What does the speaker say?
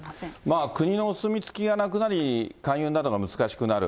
まあ国のお墨付きがなくなり、勧誘などが難しくなる。